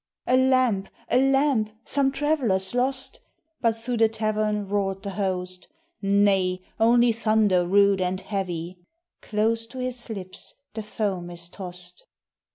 'A lamp, a lamp! some traveller's lost!' But thro' the tavern roared the host: 'Nay, only thunder rude and heavy.' Close to his lips the foam is tossed.